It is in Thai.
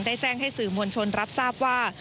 แจ้งให้สื่อมวลชนรับทราบว่า